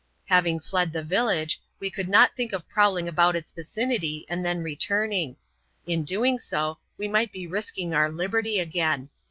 Having fled the village, we could not think of prowling about its vicinity, and then returning ; in doing so, we might be risking our liberty again.